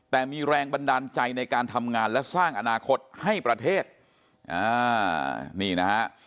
แต่มีแรงบันดาลใจในการทำงานและสร้างอนาคตให้ประเทศอ่านี่นะฮะ